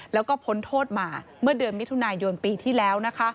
แล้วก็พ้นโทษมาเมื่อเดือนมิถุนายนปีที่แล้วนะคะ